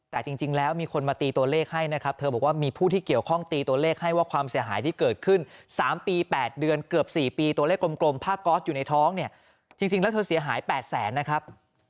แต่จริงแล้วมีคนมาตีตัวเลขให้นะครับเธอบอกว่ามีผู้ที่เกี่ยวข้องตีตัวเลขให้ว่าความเสียหายที่เกิดขึ้น๓ปี๘เดือนเกือบ๔ปีตัวเลขกลมผ้าก๊อสอยู่ในท้องเนี่ยจริงแล้วเธอเสียหาย๘แสนนะครับ